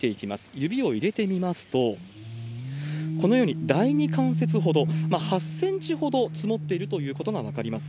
指を入れてみますと、このように第２関節ほど、８センチほど積もっているということが分かります。